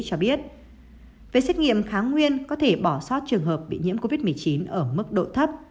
cho biết về xét nghiệm kháng nguyên có thể bỏ sót trường hợp bị nhiễm covid một mươi chín ở mức độ thấp